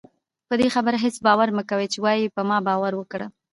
پدې خبره هېڅ باور مکوئ چې وايي په ما باور وکړه